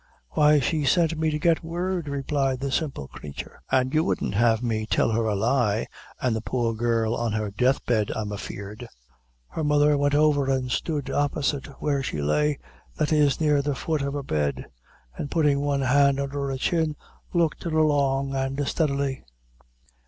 "Why, she sent me to get word," replied the simple creature, "and you wouldn't have me tell her a lie, an' the poor girl on her death bed, I'm afeard." Her mother went over and stood opposite where she lay, that is, near the foot of her bed, and putting one hand under her chin, looked at her long and steadily.